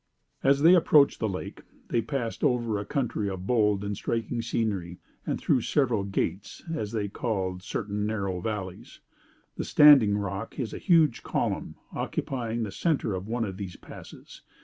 "As they approached the lake, they passed over a country of bold and striking scenery, and through several 'gates,' as they called certain narrow valleys. The 'standing rock' is a huge column, occupying the centre of one of these passes.